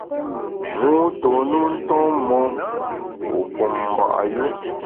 Mû tôn u nton mon, wu pum mba’ yu.